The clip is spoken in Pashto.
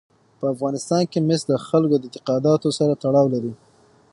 په افغانستان کې مس د خلکو د اعتقاداتو سره تړاو لري.